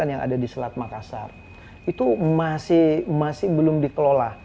jadi masih belum dikelola